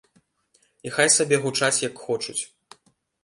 І хай сабе гучаць як хочуць.